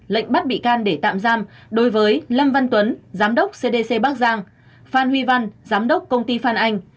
lệnh bắt bị can để tạm giam đối với lâm văn tuấn giám đốc cdc bắc giang phan huy văn giám đốc công ty phan anh